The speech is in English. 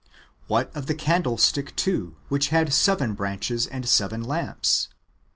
What of the candlestick,^ too, which had seven^ branches and seven lamps ?